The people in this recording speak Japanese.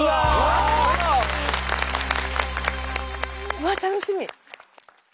うわっ楽しみ。